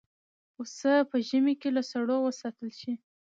پسه په ژمي کې له سړو وساتل شي.